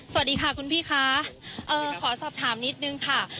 สวัสดีค่ะคุณพี่คะขอสอบถามนิดนึงค่ะ